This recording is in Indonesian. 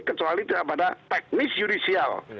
kecuali tidak pada teknis judicial